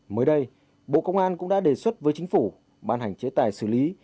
mới đây bộ công an cũng đã đề xuất với chính phủ ban hành chế tài xử lý